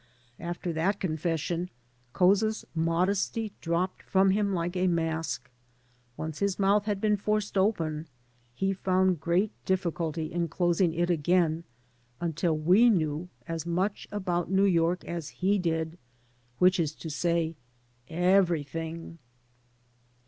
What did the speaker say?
After that confession Couza's modesty dropped from him like a mask. Once his mouth had been forced open, he found great difficulty in closing it again until we knew as much about New York as he did, which is to say everything.